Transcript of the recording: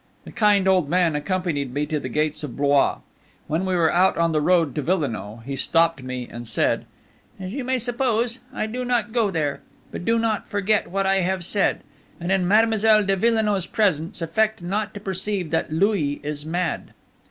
The kind old man accompanied me to the gates of Blois. When we were out on the road to Villenoix, he stopped me and said: "As you may suppose, I do not go there. But do not forget what I have said; and in Mademoiselle de Villenoix's presence affect not to perceive that Louis is mad."